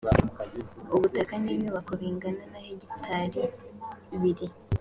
ubutaka n inyubako bingana na hegitari biri